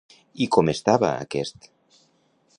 I com estava aquest?